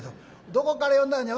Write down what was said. どこから呼んだんか